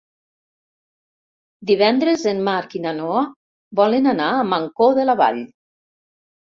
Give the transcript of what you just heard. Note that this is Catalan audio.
Divendres en Marc i na Noa volen anar a Mancor de la Vall.